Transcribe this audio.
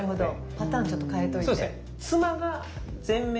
パターンちょっと変えといて。